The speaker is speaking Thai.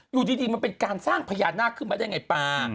อยู่ดีมันเป็นการสร้างพญานาคขึ้นมาได้ไงป่า